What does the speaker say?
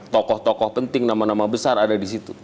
tokoh tokoh penting nama nama besar ada di situ